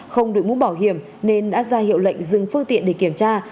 không được muốn bảo hiểm nên đã ra hiệu lệnh dừng phương tiện để kiểm tra